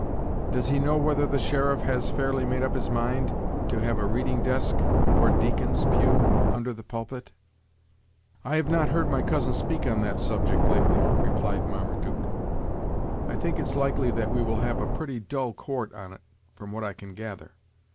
Does he know whether the sheriff has fairly made up his mind to have a reading desk or a deacon's pew under the pulpit?" "I have not heard my cousin speak on that subject, lately," replied Marmaduke. "I think it's likely that we will have a pretty dull court on't, from what I can gather.